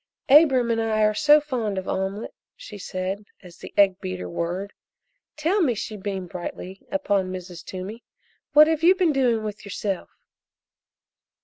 "Abram and I are so fond of omelette," she said, as the egg beater whirred. "Tell me," she beamed brightly upon Mrs. Toomey, "what have you been doing with yourself?"